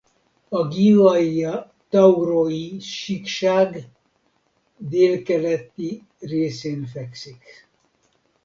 A Gioia Tauro-i síkság délkeleti részén fekszik.